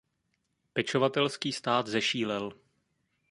Pečovatelský stát zešílel.